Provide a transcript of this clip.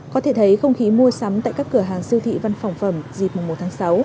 có thể thấy không khí mua sắm tại các cửa hàng siêu thị văn phòng phẩm dịp mùa một tháng sáu